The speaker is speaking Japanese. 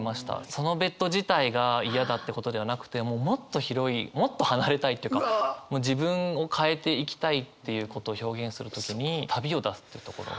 そのベッド自体が嫌だってことではなくてもうもっと広いもっと離れたいっていうかもう自分を変えていきたいっていうことを表現する時に旅を出すっていうところが。